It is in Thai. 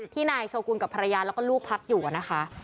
นายโชกุลกับภรรยาแล้วก็ลูกพักอยู่นะคะ